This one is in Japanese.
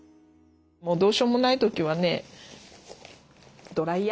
もうどうしようもない時はね